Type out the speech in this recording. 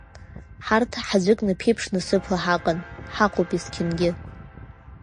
Ҳарҭ ҳаӡәыкны ԥеиԥш насыԥла ҳаҟан, ҳаҟоуп есқьынгьы.